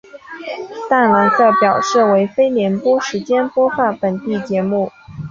淡蓝色表示为非联播时间播放本地节目。